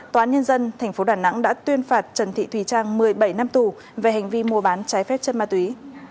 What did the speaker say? tòa án nhân dân tp đà nẵng đã tuyên phạt trần thị thùy trang một mươi bảy năm tù về hành vi mua bán trái phép chất ma túy